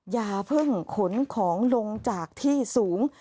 อย่าเพิ่งขนของลงจากที่สูง